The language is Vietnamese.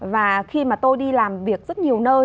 và khi mà tôi đi làm việc rất nhiều nơi